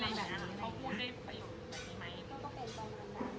โดยกลางดูดันโคตร